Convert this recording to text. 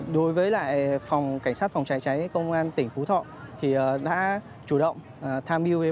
đối với lại phòng cảnh sát phòng cháy cháy công an tỉnh phú thọ thì đã chủ động tham dự với ban